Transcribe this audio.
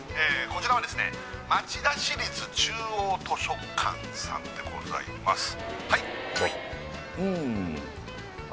こちらはですね町田市立中央図書館さんでございます